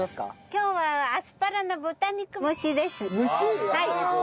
今日はアスパラの豚肉蒸しです。